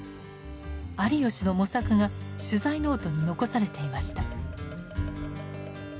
有吉の模索が取材ノートに残されていました。